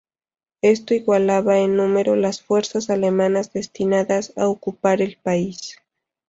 Esto igualaba en número las fuerzas alemanas destinadas a ocupar el país.